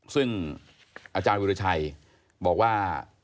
ซึ่งอาจารย์วิราชัยบอกว่า